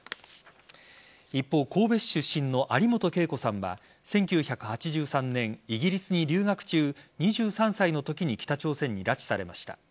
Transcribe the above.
一方、神戸市出身の有本恵子さんは１９８３年、イギリスに留学中２３歳のときに北朝鮮に拉致されました。